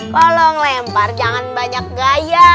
kalau ngelempar jangan banyak gaya